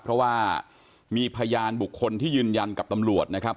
เพราะว่ามีพยานบุคคลที่ยืนยันกับตำรวจนะครับ